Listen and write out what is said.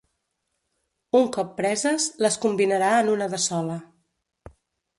Un cop preses, les combinarà en una de sola.